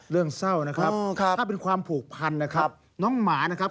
เรื่องเศร้านะครับถ้าเป็นความผูกพันนะครับน้องหมานะครับ